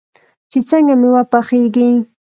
چې څنګه میوه پخیږي.